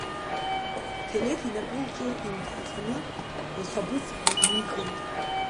Ҭелеҭ инапы лҿы инҭаҵаны лхаԥыц ааникылт…